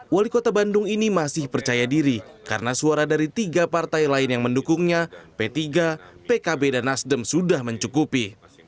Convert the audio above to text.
wali kota bandung ini masih percaya diri karena suara dari tiga partai lain yang mendukungnya p tiga pkb dan nasdem sudah mencukupi